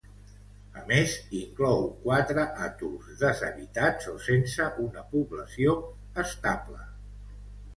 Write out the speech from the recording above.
A més, inclou quatre atols deshabitats o sense una població estable.